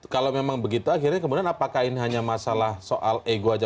kalau memang begitu akhirnya kemudian apakah ini hanya masalah soal ego saja